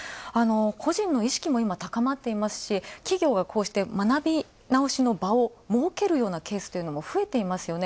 個人の意識も今、高まってますし企業がこうして学び直しの場を設けるようなケースというのも増えていますよね。